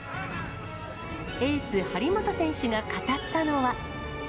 エース、張本選手が語ったのは。